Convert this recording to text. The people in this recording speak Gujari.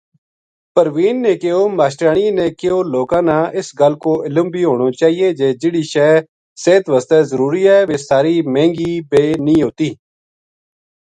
پروین نے کہیو:”ماشٹریانی نے کہیو لوکاں نا اس گل کو علم بھی ہونو چاہیے جے جہڑی شے صحت وس ضروری ہے ویہ ساری مہنگی بے نیہہ ہوتی۔۔